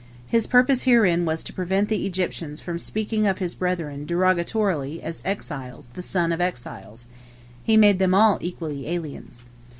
His purpose herein was to prevent the Egyptians from speaking of his brethren derogatorily as "exiles the sons of exiles"; he made them all equally aliens.